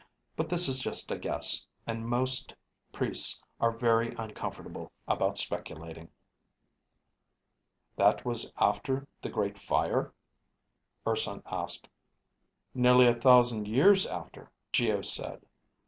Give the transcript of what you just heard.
But this is just a guess, and most priests are very uncomfortable about speculating." "That was after the Great Fire?" Urson asked. "Nearly a thousand years after," Geo said.